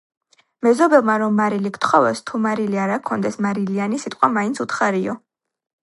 მეზობელმა რომ მარილი გთხოვოს, თუ მარილი არა გქონდეს, მარილიანი სიტყვა მაინც უთხარიო